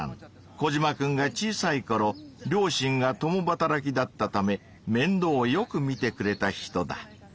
コジマくんが小さいころ両親が共働きだったためめんどうをよくみてくれた人だ。